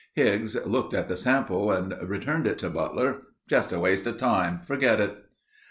Higgs looked at the sample and returned it to Butler: "Just a waste of time. Forget it."